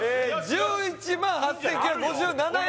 １１万８９５７円